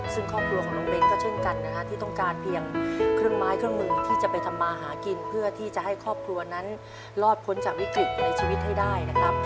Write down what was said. ซึ่งครอบครัวของน้องเบ้นก็เช่นกันนะฮะที่ต้องการเพียงเครื่องไม้เครื่องมือที่จะไปทำมาหากินเพื่อที่จะให้ครอบครัวนั้นรอดพ้นจากวิกฤตในชีวิตให้ได้นะครับ